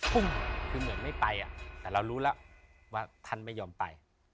พุ่งคือเหมือนไม่ไปแต่เรารู้แล้วว่าท่านไม่ยอมไป